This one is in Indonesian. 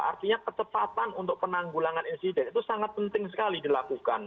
artinya kecepatan untuk penanggulangan insiden itu sangat penting sekali dilakukan